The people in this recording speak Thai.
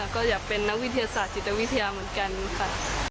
ก็อยากเป็นนักวิทยาศาสตจิตวิทยาเหมือนกันค่ะ